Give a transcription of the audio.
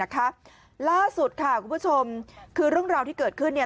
คุณผู้ชมคือเรื่องราวที่เกิดขึ้นเนี่ย